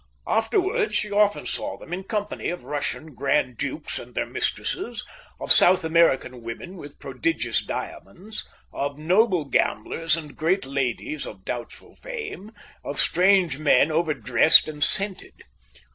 Afterwards, she often saw them, in company of Russian Grand Dukes and their mistresses, of South American women with prodigious diamonds, of noble gamblers and great ladies of doubtful fame, of strange men overdressed and scented.